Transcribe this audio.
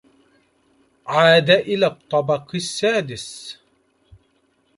عاد إلى الطّبق السّادس.